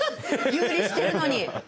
遊離してるのに？